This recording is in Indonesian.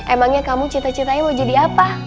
emangnya kamu cita citanya mau jadi apa